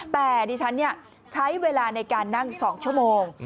แต่ดิฉันใช้เวลาในการนั่ง๒ชั่วโมง